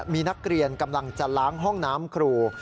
มีนักเรียนกำลังจะล้างห้องน้ำครู